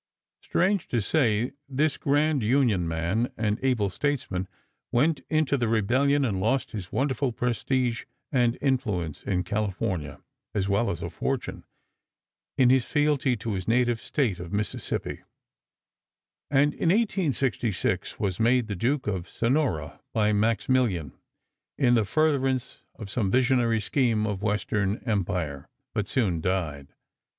Strange to say, this grand Union man and able statesman went into the Rebellion and lost his wonderful prestige and influence in California, as well as a fortune, in his fealty to his native State of Mississippi, and in 1866 was made the Duke of Sonora by Maximilian, in the furtherance of some visionary scheme of Western empire, but soon died.